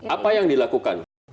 apa yang dilakukan